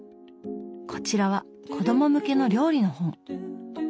こちらは子供向けの料理の本。